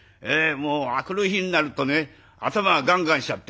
もう明くる日になるとね頭がガンガンしちゃって。